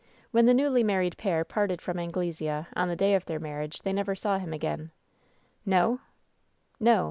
When the newly married pair parted from Anglesea, on the day of their marriage, they never saw him again." "No V "No.